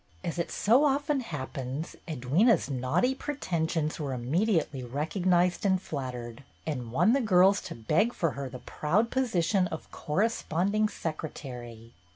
As it so often happens, Edwyna's naughty pretensions were immediately recog nized and flattered, and won the girls to beg for her the proud position of corresponding secretary.